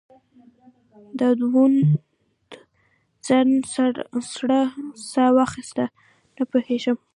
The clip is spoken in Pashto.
داوود خان سړه سا وايسته: نه پوهېږم.